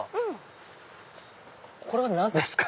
これは何ですか？